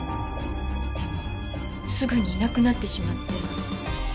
でもすぐにいなくなってしまって。